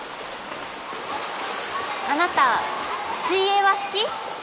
あなた水泳は好き？